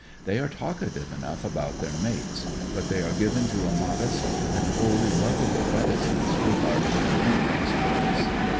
They are talkative enough about their mates, but they are given to a modest and wholly lovable reti cence regarding their own exploits.